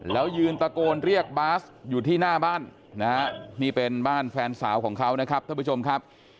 แล้วยืนตะโกนเรียกบาสอยู่ที่หน้าบ้านนะฮะนี่เป็นบ้านแฟนสาวของเขานะครับท่านผู้ชมครับ